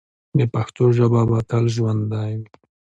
د پښتنو ژبه به تل ژوندی وي.